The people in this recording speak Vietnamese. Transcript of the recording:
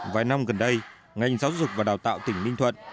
vài năm gần đây ngành giáo dục và đào tạo tỉnh ninh thuận